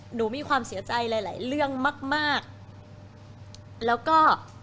หนูมีความเสียใจหลายเรื่องมากแล้วก็